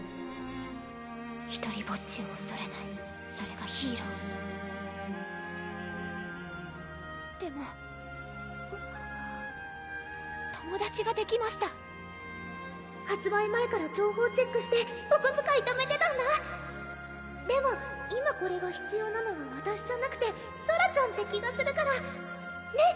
「ひとりぼっちをおそれないそれがヒーでも友達ができました発売前から情報チェックしておこづかいたでも今これが必要なのはわたしじゃなくてソラちゃんって気がするからねっ？